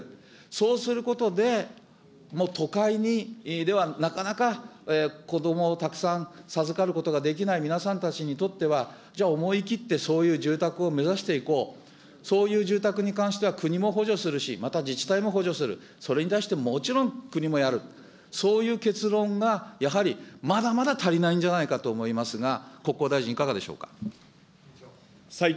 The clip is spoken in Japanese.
そうすることで、もう都会にではなかなか子どもをたくさん授かることができない皆さんたちにとっては、じゃあ、思い切ってそういう住宅を目指していこう、そういう住宅に関しては国も補助するし、また自治体も補助する、それに対してもちろん国もやる、そういう結論がやはりまだまだ足りないんじゃないかと思いますが、国交大臣、いかがでしょうか。